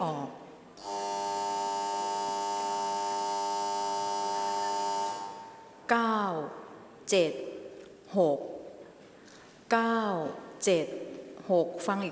ออกรางวัลเลขหน้า๓ตัวครั้งที่๒